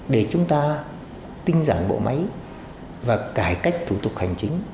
để chúng ta tinh giản bộ máy và cải cách thủ tục hành chính